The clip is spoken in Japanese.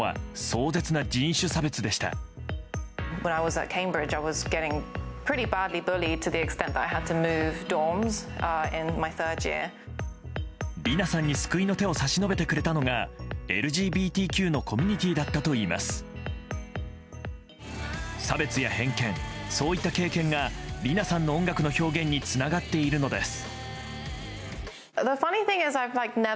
そういった経験がリナさんの音楽の表現につながっているのです。